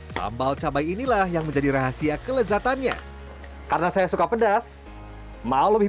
sambal cabai inilah yang menjadi rahasia kelezatannya karena saya suka pedas mau lebih